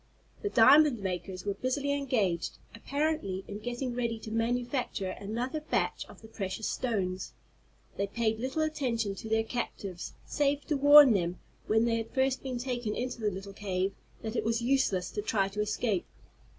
The diamond makers were busily engaged, apparently in getting ready to manufacture another batch of the precious stones. They paid little attention to their captives, save to warn them, when they had first been taken into the little cave, that it was useless to try to escape.